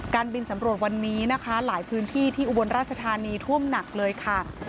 การบินสำรวจวันนี้นะคะหลายพื้นที่ที่อุบลราชธานีท่วมหนักเลยค่ะ